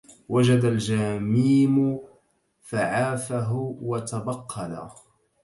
وجد الجميم فعافه وتبقلا